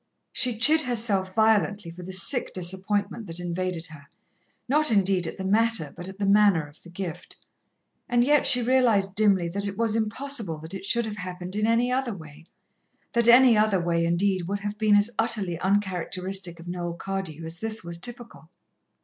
She chid herself violently for the sick disappointment that invaded her, not, indeed, at the matter, but at the manner of the gift. And yet she realized dimly, that it was impossible that it should have happened in any other way that any other way, indeed, would have been as utterly uncharacteristic of Noel Cardew as this was typical.